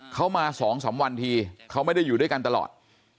เขามา๒๓วันทีเขาไม่ได้อยู่ด้วยกันตลอด